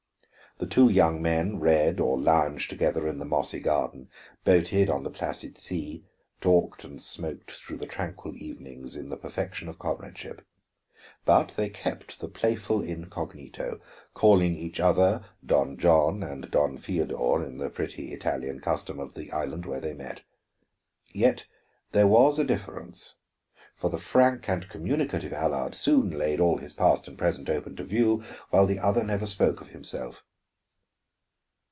The two young men read or lounged together in the mossy garden, boated on the placid sea, talked and smoked through the tranquil evenings in the perfection of comradeship. But they kept the playful incognito, calling each other Don John and Don Feodor in the pretty Italian custom of the island where they met. Yet there was a difference, for the frank and communicative Allard soon laid all his past and present open to view, while the other never spoke of himself.